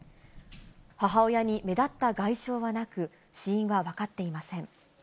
母親に目立った外傷はなく、死因は分かっていません。